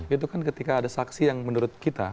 itu kan ketika ada saksi yang menurut kita